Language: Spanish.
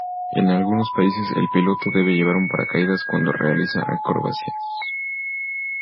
En algunos países, el piloto debe llevar un paracaídas cuando realiza acrobacias.